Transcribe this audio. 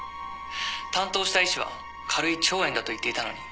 担当した医師は軽い腸炎だと言っていたのに。